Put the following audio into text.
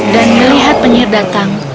dan melihat penyihir datang